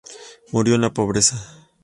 Murió en la pobreza.